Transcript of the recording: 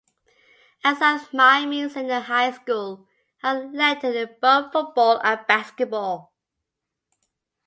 At South Miami Senior High School, Harrell lettered in both football and basketball.